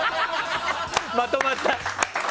まとまった。